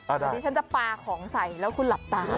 อันนี้ฉันจะปลาของใส่แล้วคุณหลับตา